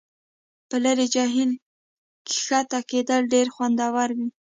په لرې جهیل کښته کیدل ډیر خوندور وي